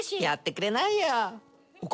やってくれないよ。